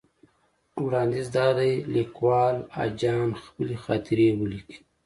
وړاندیز دا دی لیکوال حاجیان خپلې خاطرې ولیکي.